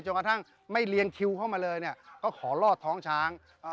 กระทั่งไม่เรียงคิวเข้ามาเลยเนี่ยก็ขอรอดท้องช้าง